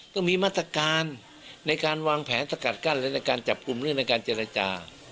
ต้องมีมาตรการในการวางแผนสกัดกั้นและการจับกลุ่มเรื่องในการเจรจา